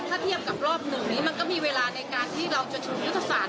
ถ้าเทียบกับรอบหนึ่งนี้มันก็มีเวลาในการที่เราจะชูยุทธศาสต